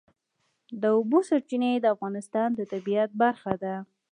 د اوبو سرچینې د افغانستان د طبیعت برخه ده.